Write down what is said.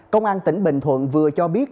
công an tỉnh bình thuận vừa cho biết